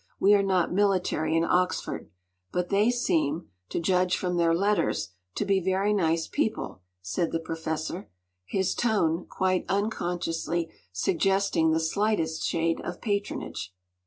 We are not military in Oxford. But they seem—to judge from their letters—to be very nice people,” said the Professor, his tone, quite unconsciously, suggesting the slightest shade of patronage.